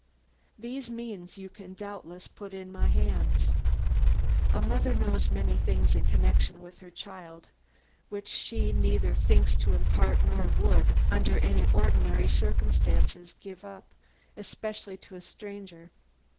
These means you can doubtless put in my hands. A mother knows many things in connection with her child which she neither thinks to impart nor would, under any ordinary circumstances, give up, especially to a stranger.